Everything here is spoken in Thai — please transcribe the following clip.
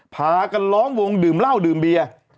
พากันล้อมวงดื่มเหล้าดื่มเบียร์